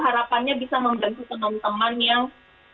harapannya bisa membantu teman teman yang